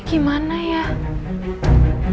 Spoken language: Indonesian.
apa yang akan terjadi